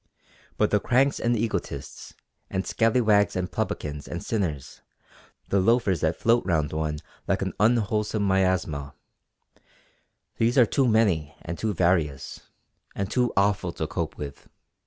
But the cranks and egotists, and scallywags and publicans and sinners, the loafers that float round one like an unwholesome miasma; these are too many and too various, and too awful to cope with.